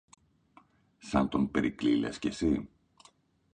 Σαν τον Περικλή λες και συ;